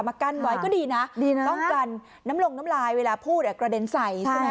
มากั้นไว้ก็ดีนะดีนะป้องกันน้ำลงน้ำลายเวลาพูดกระเด็นใส่ใช่ไหม